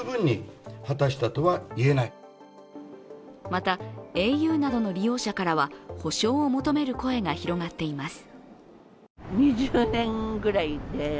また、ａｕなどの利用者からは補償を求める声が広がっています。